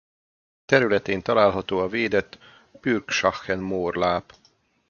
Területén található a védett Pürgschachen-Moor láp.